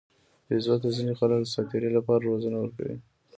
بیزو ته ځینې خلک د ساتیرۍ لپاره روزنه ورکوي.